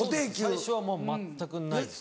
最初はもう全くないです。